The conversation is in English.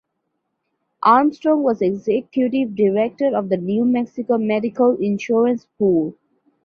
Armstrong was executive director of the New Mexico Medical Insurance Pool.